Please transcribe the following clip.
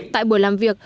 tại buổi làm việc